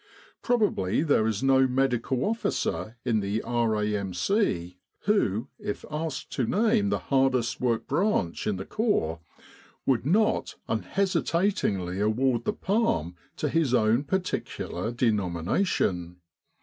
Probably there is no medical officer in the R.A.M.C. who, if asked to name the hardest worked branch in the Corps, would not unhesitatingly award the palm to his own particular denomination.